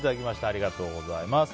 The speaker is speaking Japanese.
ありがとうございます。